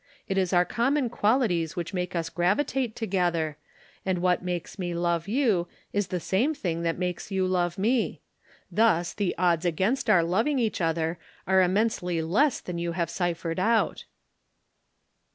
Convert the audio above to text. It is our common qualities which make us gravitate together, and what makes me love you is the same thing that makes you love me. Thus the odds against our loving each other are immensely less than you have ciphered out."